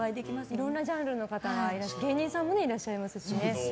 いろいろなジャンルの方が芸人さんもいらっしゃいますしね。